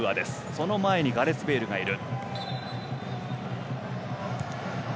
その前にガレス・ベイルがいる。